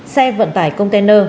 xe vận tải container